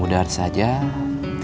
somapa jangan tuang lewat